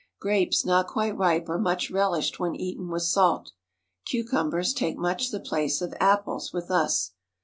Grapes not quite ripe are much relished when eaten with salt. Cucumbers take much the place of apples with us.